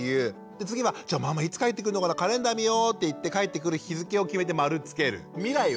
次は「じゃあママいつ帰ってくるのかなカレンダー見よう」って言って帰ってくる日付を決めて丸つける。